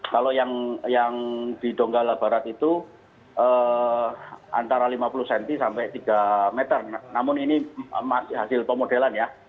kalau yang di donggala barat itu antara lima puluh cm sampai tiga meter namun ini hasil pemodelan ya